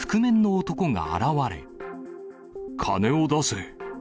金を出せ。